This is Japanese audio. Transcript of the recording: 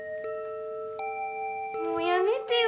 もうやめてよ